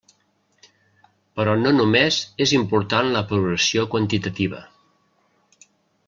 Però no només és important la progressió quantitativa.